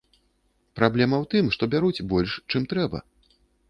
Праблема ў тым, што бяруць больш, чым трэба.